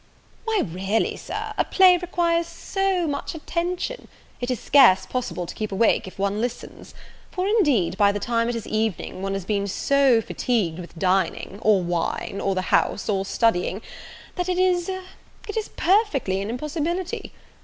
"Why, really Sir, a play requires so much attention, it is scarce possible to keep awake if one listens; for, indeed, by the time it is evening, one has been so fatigued with dining, or wine, or the house, or studying, that it is it is perfectly an impossibility.